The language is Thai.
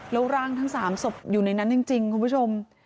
แล้วร่างทั้ง๓ศพอยู่ในนั้นจริงคุณผู้ชม